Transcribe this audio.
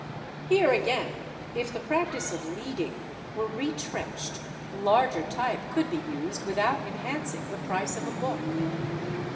Here, again, if the practice of "leading" were retrenched larger type could be used without enhancing the price of a book.